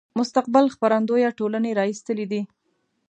مستقبل خپرندويه ټولنې را ایستلی دی.